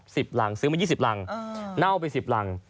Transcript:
หลังซื้อมายี่สิบรังเน่าไปสิบรัง